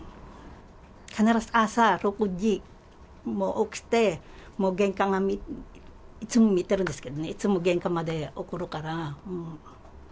必ず朝６時、もう起きて、玄関、いつも見てるんですけどね、いつも玄関まで送るから。